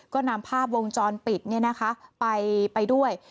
ก็นำภาพวงจรปิดนี่นะคะไปด้วย